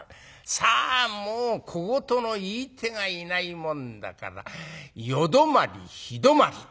さあもう小言の言い手がいないもんだから夜泊まり日泊まり。